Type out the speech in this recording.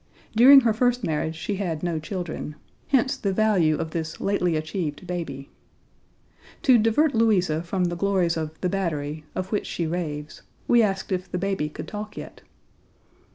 During her first marriage, she had no children; hence the value of this lately achieved baby. To divert Louisa from the glories of "the Battery," of which she raves, we asked if the baby could talk yet.